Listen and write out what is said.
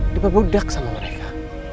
dipebodak sama mereka